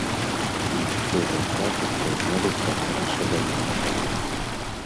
І шчыра кажучы, мы рыхтаваліся да іншага.